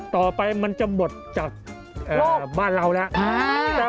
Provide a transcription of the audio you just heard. ต่อไปมันจะหมดจากบ้านเราแล้ว